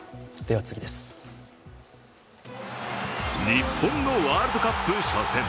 日本のワールドカップ初戦。